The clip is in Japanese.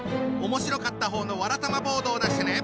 面白かった方のわらたまボードを出してね！